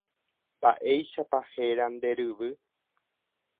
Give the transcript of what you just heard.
Mba'éichapa héra nde ryvy.